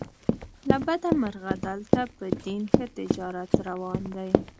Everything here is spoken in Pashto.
له بده مرغه دلته په دین ښه تجارت روان دی.